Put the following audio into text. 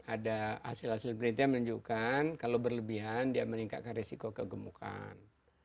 ada hasil hasil penelitian menunjukkan kalau berlebihan dia meningkatkan risiko kegemukan